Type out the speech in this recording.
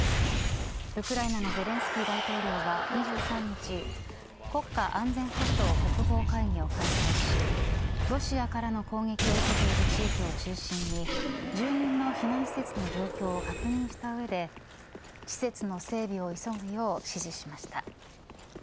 ウクライナのゼレンスキー大統領は２３日国家安全保障国防会議を開催しロシアからの攻撃を受けている地域を中心に住民の避難施設の状況を確認した上で施設の整備を急ぐよう指示しました。